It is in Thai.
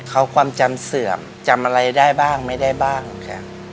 เขาความจำเสื่อมจำอะไรได้บ้างไม่ได้บ้าง